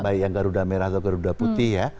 baik yang garuda merah atau garuda putih ya